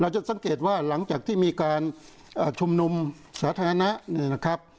จะสังเกตว่าหลังจากที่มีการชุมนุมสาธารณะเนี่ยนะครับ